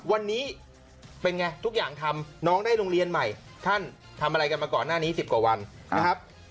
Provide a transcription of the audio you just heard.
วันนี้เป็นไงทุกอย่างทำน้องได้โรงเรียนใหม่ท่านทำอะไรกันมาก่อนหน้านี้๑๐กว่าวันนะครับ